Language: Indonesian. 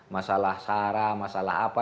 masalah sarah masalah apa